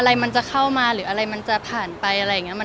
อะไรมันจะเข้ามาหรืออะไรมันจะผ่านไป